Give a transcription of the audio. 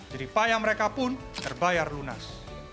jadi payah mereka pun terbayar lunas